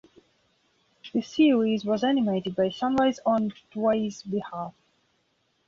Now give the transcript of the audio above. The series was animated by Sunrise on Toei's behalf.